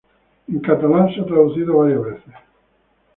En catalán se ha traducido varias veces.